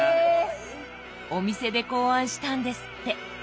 お店で考案したんですって。